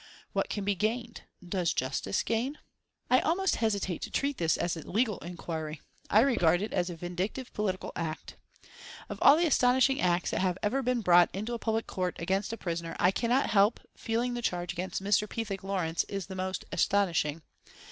What can be gained? Does justice gain? "I almost hesitate to treat this as a legal inquiry. I regard it as a vindictive political act. Of all the astonishing acts that have ever been brought into a public court against a prisoner I cannot help feeling the charge against Mr. Pethick Lawrence is the most astonishing.